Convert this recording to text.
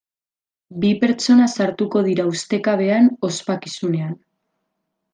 Bi pertsona sartuko dira ustekabean ospakizunean.